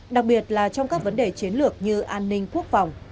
đặc biệt là trong các vấn đề chiến lược như an ninh quốc phòng